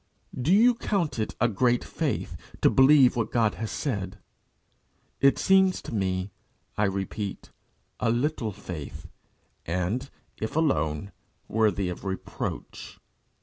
Do you count it a great faith to believe what God has said? It seems to me, I repeat, a little faith, and, if alone, worthy of reproach.